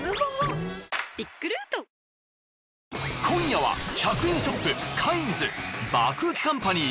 今夜は。